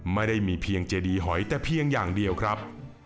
ไม่ได้มีเพียงเจดีหอยแต่เพียงอย่างเดียวครับ